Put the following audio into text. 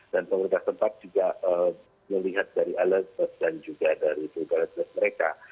dan pemerintah tempat juga melihat dari alat alat dan juga dari modalitas mereka